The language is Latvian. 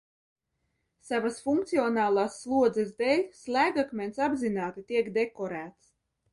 Savas funkcionālās slodzes dēļ slēgakmens apzināti tiek dekorēts.